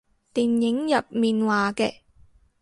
電影入面話嘅